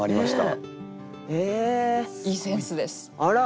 いいセンスです。